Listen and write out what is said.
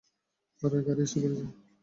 আরে, গাড়ি এসে পড়েছে।